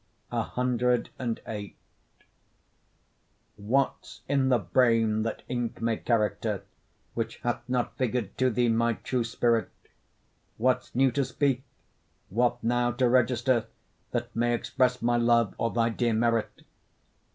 CVIII What's in the brain, that ink may character, Which hath not figur'd to thee my true spirit? What's new to speak, what now to register, That may express my love, or thy dear merit?